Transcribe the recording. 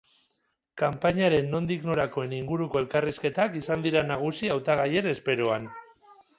Kanpainaren nondik norakoen inguruko elkarrizketak izan dira nagusi hautagaien esperoan.